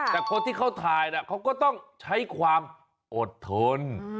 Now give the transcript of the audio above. แต่คนที่เขาถ่ายเขาก็ต้องใช้ความอดทน